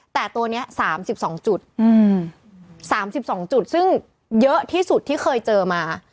แต่ตัวนี้๓๒จุด๓๒จุดซึ่งเยอะที่สุดที่เคยเจอมา